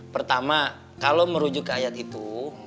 pertama kalau merujuk ke ayat itu